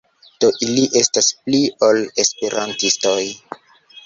Do ili estas pli ol Esperantistoj.